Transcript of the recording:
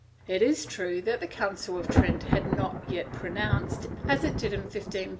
It is true that the Council of Trent had not yet pronounced, as it did in 1547 (Sess.